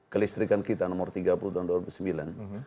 kelistrikan kita nomor tiga puluh tahun dua ribu sembilan